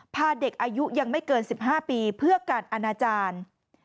พาเด็กอายุยังไม่เกิน๑๕ปีเพื่อการอนาจารย์